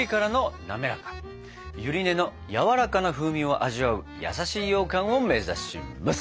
ゆり根のやわらかな風味を味わう優しいようかんを目指します！